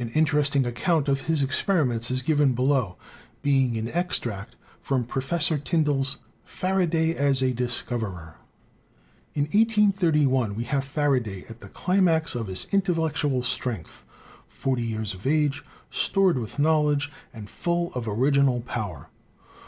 An interesting account of his experiments is given FUNDAMENTAL DISCOVERIES 183 below, being an extract from Professor Tyndall's 'Faraday as a Discoverer': "In 1831 we have Faraday at the climax of his intel lectual strength, forty years of age, stored with knowl edge and full of original power.